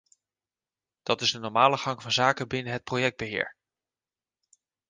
Dat is een normale gang van zaken binnen het projectbeheer.